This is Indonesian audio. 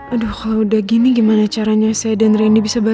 aduh kalau udah gini gimana caranya saya dan randy bisa belajar